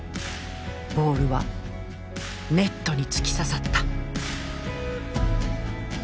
ボールはネットに突き刺さった。